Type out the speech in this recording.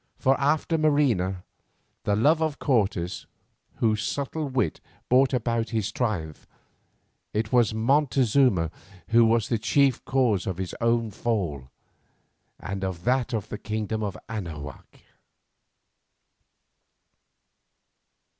For after Marina, the love of Cortes, whose subtle wit brought about his triumph, it was Montezuma who was the chief cause of his own fall, and of that of the kingdom of Anahuac.